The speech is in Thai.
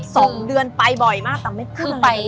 ส่งเดือนไปบ่อยมากแต่ไม่พูดอะไรเลย